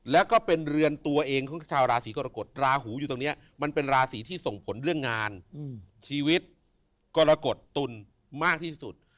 แล้วก็เป็นเรือนตัวเองของชาวราศีกรกฎราหูอยู่ตรงนี้มันเป็นราศีที่ส่งผลเรื่องงานชีวิตกรกฎตุลมากที่สุด